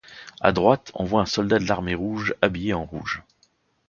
À droite, on voit un soldat de l'armée rouge habillé en rouge.